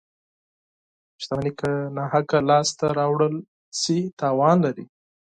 • شتمني که ناحقه لاسته راوړل شي، تاوان لري.